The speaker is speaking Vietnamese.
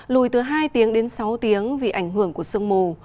lùi từ hai tiếng đến sáu tiếng vì ảnh hưởng của sương mù